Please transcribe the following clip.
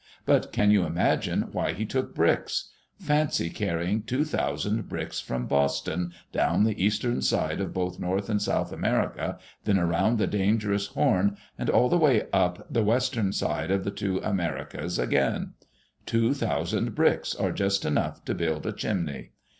But can you imagine why he took bricks? Fancy carrying two thousand bricks from Boston, down the eastern side of both North and South America, then around the dangerous Horn, and all the way up the west ern side of the two Americas again 1 Two thousand bricks are just enough to build a chimney.